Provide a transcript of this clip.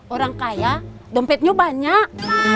orang kaya dompetnya banyak